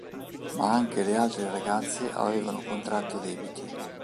Ma anche le altre ragazze avevano contratto debiti.